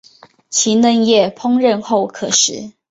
其嫩叶烹饪后可食。